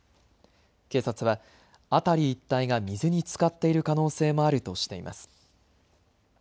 警察は辺り一帯が水につかっている可能性もあるとしています。